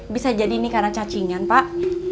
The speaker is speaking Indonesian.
bisa jadi ini karena cacingan pak